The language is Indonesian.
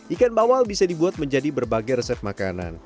ikan bawal bisa dibuat menjadi berbagai resep makanan